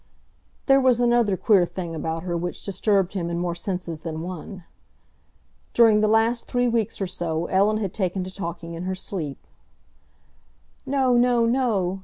There was another queer thing about her which disturbed him in more senses than one. During the last three weeks or so Ellen had taken to talking in her sleep. "No, no, no!"